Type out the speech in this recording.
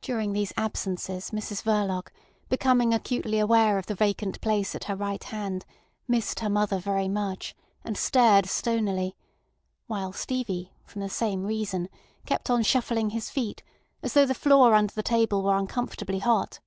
During these absences Mrs Verloc, becoming acutely aware of the vacant place at her right hand, missed her mother very much, and stared stonily; while Stevie, from the same reason, kept on shuffling his feet, as though the floor under the table were uncomfortably hot.